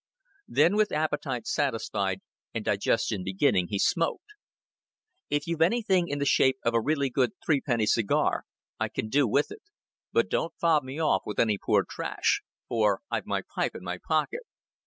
Then with appetite satisfied and digestion beginning, he smoked. "If you've anything in the shape of a really good threepenny cigar, I can do with it. But don't fob me off with any poor trash. For I've my pipe in my pocket."